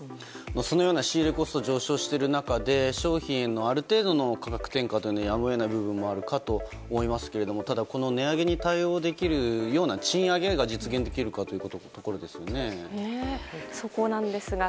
そのような仕入れコストが上昇している中商品のある程度の価格転嫁というのはやむを得ない部分はあると思いますがただ、この値上げに対応できるような賃上げが実現できるかどうかですね。